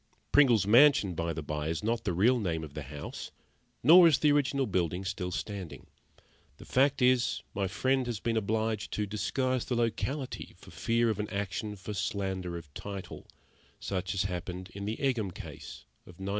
Pringle's Mansion, by the bye, is not the real name of the house, nor is the original building still standing the fact is, my friend has been obliged to disguise the locality for fear of an action for slander of title, such as happened in the Egham Case of 1904 7.